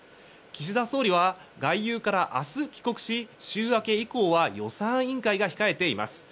岸田総理は外遊から明日帰国し週明け以降は予算委員会が控えています。